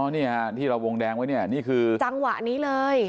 นี่ค่ะที่เราวงแดงไว้นี่คือจังหวะนี้เลย